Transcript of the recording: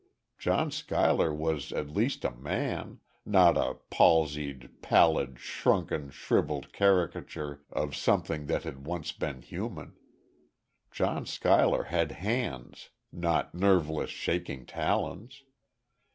John Schuyler was at least a man not a palsied, pallid, shrunken, shriveled caricature of something that had once been human.... John Schuyler had hands not nerveless, shaking talons....